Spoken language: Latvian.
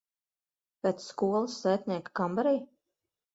Pēc skolas sētnieka kambarī?